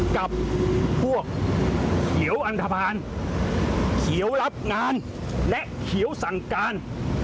กับพวกเขียวอันทภาณเขียวรับงานและเขียวสั่งการ